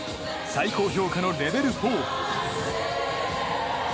最高評価のレベル